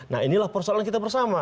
nah inilah persoalan kita bersama